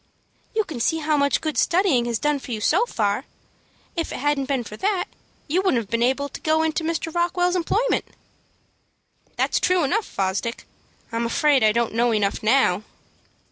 "You can see how much good studying has done for you so far. If it hadn't been for that, you wouldn't have been able to go into Mr. Rockwell's employment." "That's true enough, Fosdick. I'm afraid I don't know enough now."